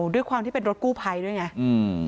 ด้วยความที่เป็นรถกู้ภัยด้วยไงอืม